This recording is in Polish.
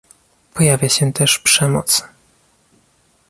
Pojawia się też przemoc